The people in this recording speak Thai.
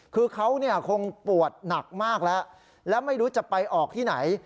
คือเขาคงปวดหนักมากแล้วแล้วไม่รู้จะไปออกที่ไหน